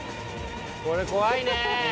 これ怖いね！